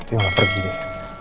ya nggak pergi deh